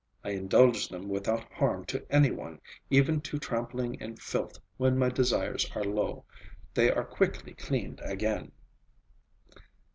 I indulge them without harm to any one, even to trampling in filth when my desires are low. They are quickly cleaned again."